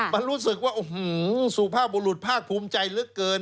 มันรู้สึกว่าสุภาพบุรุษภาคภูมิใจเหลือเกิน